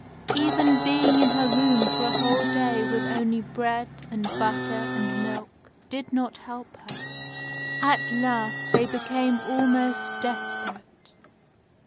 Even being in her room for a whole day with only bread and butter and milk did not help her. At last they became almost desperate.